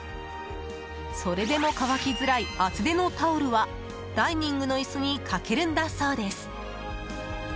それでも乾きづらい厚手のタオルはダイニングの椅子にかけるんだそうです。